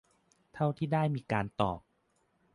เท่าที่ได้มีการตอบ